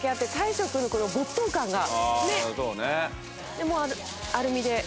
でもうアルミで。